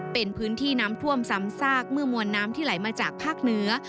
เป็นพื้นที่น้ำท่วมซ้ำซากเมื่อมวลน้ำที่ไหลมาจากภาคเหนือ